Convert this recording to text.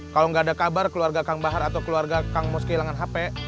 kalo gak ada kabar keluarga kang bahar atau keluarga kangmus kehilangan hp